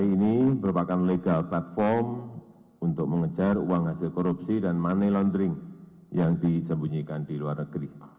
ini terkait komitmen pemerintah terkait penghargaan peraturan pengejaran uang korupsi